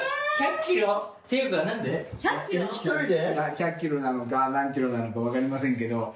１００キロなのか、何キロなのか分かりませんけど。